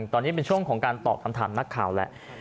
ตอนนี้เป็นช่วงของการตอบคำถามนักข่าวแหละ